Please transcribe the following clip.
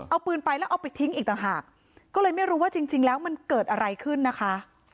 เอาปืนไปแล้วเอาไปทิ้งอีกต่างหากก็เลยไม่รู้ว่าจริงแล้วมันเกิดอะไรขึ้นนะคะ